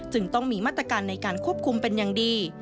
จึงต้องมีมาตรการในการควบคุมเป็นอย่างดี